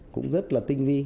cũng rất là tinh vi